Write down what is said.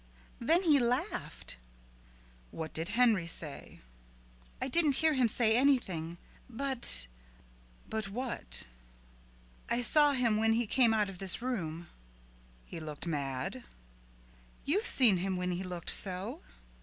"Then he laughed." "What did Henry say?" "I didn't hear him say anything, but " "But what?" "I saw him when he came out of this room." "He looked mad?" "You've seen him when he looked so."